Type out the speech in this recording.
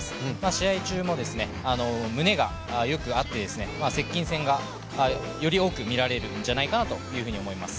試合中も胸がよく合って接近戦がより多く見られるんじゃないかなと思います。